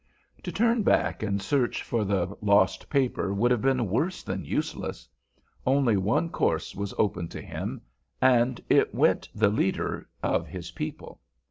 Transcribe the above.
To turn back and search for the lost paper would have been worse than useless. Only one course was open to him, and at it went the leader of his people.